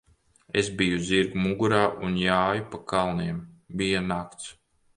Es biju zirga mugurā un jāju pa kalniem. Bija nakts.